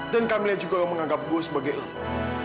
dan kamilah juga menganggap gue sebagai lo